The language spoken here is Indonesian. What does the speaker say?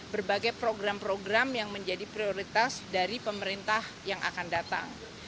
berbagai program program yang menjadi prioritas dari pemerintah yang akan datang